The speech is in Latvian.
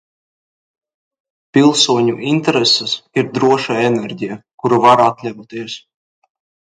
Pilsoņu interesēs ir droša enerģija, kuru var atļauties.